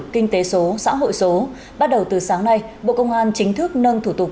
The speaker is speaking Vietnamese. kinh tế số xã hội số bắt đầu từ sáng nay bộ công an chính thức nâng thủ tục